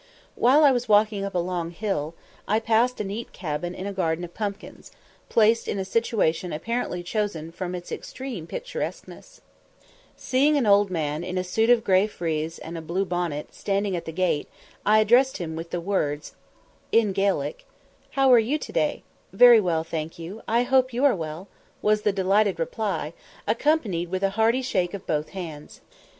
While I was walking up a long hill, I passed a neat cabin in a garden of pumpkins, placed in a situation apparently chosen from its extreme picturesqueness. Seeing an old man, in a suit of grey frieze and a blue bonnet, standing at the gate, I addressed him with the words, "_Cia mar thasibh an diugh." "Slan gu robh math agaibh. Cia mar thasibh an fein," [Footnote: "How are you to day?" "Very well, thank you. I hope you are well."] was the delighted reply, accompanied with a hearty shake of both hands.